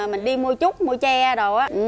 mình đi mua chút mua tre đồ á